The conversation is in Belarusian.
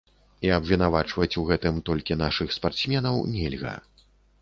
І абвінавачваць у гэтым толькі нашых спартсменаў нельга.